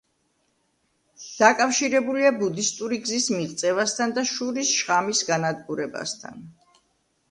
დაკავშირებულია ბუდისტური გზის მიღწევასთან და შურის შხამის განადგურებასთან.